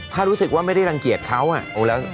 ถ้ารู้สึกว่าไม่ได้รังเกียจเขาอ่ะ